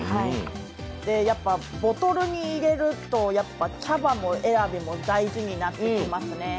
やっぱ、ボトルに入れると茶葉選びも大事になってきますね。